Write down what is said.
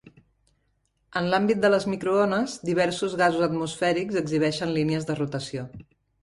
En l'àmbit de les microones, diversos gasos atmosfèrics exhibeixen línies de rotació.